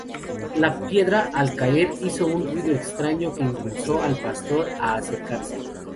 La piedra, al caer, hizo un ruido extraño, que impulsó al pastor a acercarse.